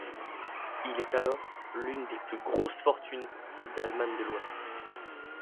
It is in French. Il est alors l'une des plus grosses fortunes d'Allemagne de l'Ouest.